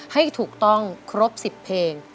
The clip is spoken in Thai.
ให้ถูกต้องครบ๑๐เพลง